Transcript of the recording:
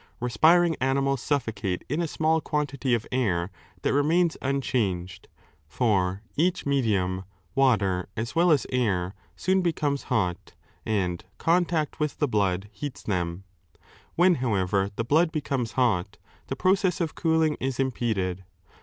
Bespiring animals suffocate in a small quantity of air that remains unchanged ; for each medium ([water as well as air]) soon becomes hot, and contact 6 with the blood heats them. When, however, the blood becomes hot, the process of cooling is impeded.